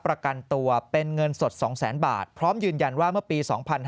ประกันตัวเป็นเงินสด๒แสนบาทพร้อมยืนยันว่าเมื่อปี๒๕๕๙